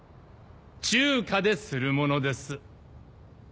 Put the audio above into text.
中華でするものです。